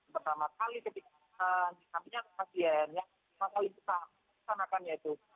pertama kali ketika yang pertama kali kita perhatikan yaitu